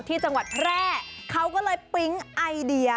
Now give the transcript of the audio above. ที่จังหวัดแพร่เขาก็เลยปิ๊งไอเดีย